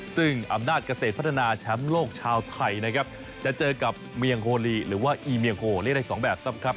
ซึ่งอำนาจเกษตรพัฒนาแชมป์โลกชาวไทยนะครับจะเจอกับเมียงโฮลีหรือว่าอีเมียงโฮเรียกได้๒แบบซ้ำครับ